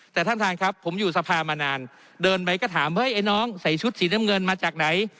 แต่ท่านท่านครับผมอยู่สภามานานเดินไปก็ถามเฮ้ยไอ้น้องใส่ชุดสีน้ำเงินมาจากไหน